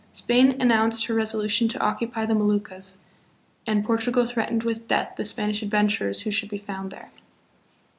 Spain announced her resolu tion to occupy the Moluccas, and Portugal threatened with death the Spanish adventurers who should be found there.